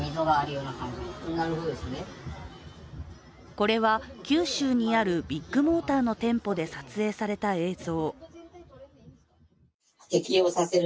これは九州にあるビッグモーターの店舗で撮影された映像。